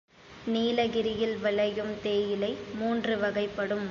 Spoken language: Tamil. நீலகிரியில் விளையும் தேயிலை மூன்று வகைப்படும்.